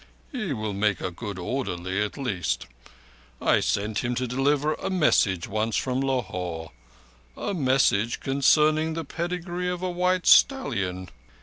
"He will make a good orderly at least. I sent him to deliver a message once from Lahore. A message concerning the pedigree of a white stallion."